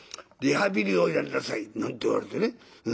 リハビリをやりなさいなんて言われてね。